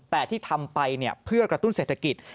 แต่ที่ทำไปเพื่อกระตุ้นเศรษฐกิจ